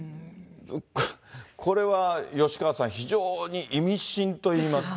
これは吉川さん、非常に意味深といいますか。